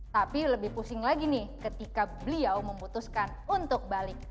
tapi lebih pusing lagi nih ketika beliau memutuskan untuk balik